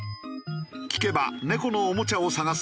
聞けば猫のおもちゃを探す